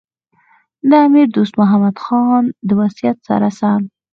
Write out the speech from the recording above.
د امیر دوست محمد خان د وصیت سره سم.